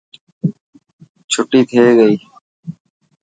ڇوٽي ٿي گئي.